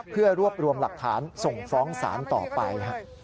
เพื่อรวบรวมหลักฐานส่งฟ้องศาลต่อไป